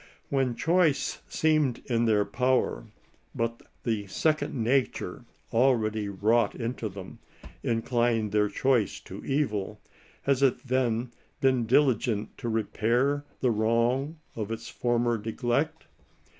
When choice seemed in their power, but the "second nature" already wrought into them, inclined their choice to evil, has it then been diligent to repair the wrong of its former neglect